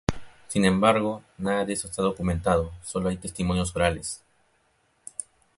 Sin embargo, nada de esto está documentado, sólo hay testimonios orales.